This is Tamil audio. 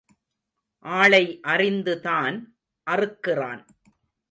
ஆளை அறிந்துதான் அறுக்கிறான்.